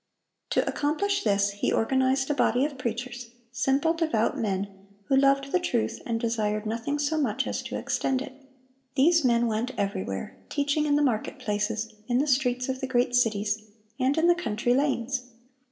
To accomplish this he organized a body of preachers, simple, devout men, who loved the truth and desired nothing so much as to extend it. These men went everywhere, teaching in the market places, in the streets of the great cities, and in the country lanes.